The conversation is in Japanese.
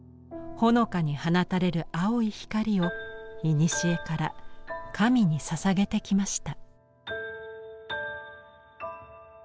ほのかに放たれる青い光をいにしえから神にささげてきました。